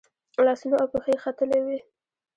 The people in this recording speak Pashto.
لاسونه او پښې یې ختلي وي.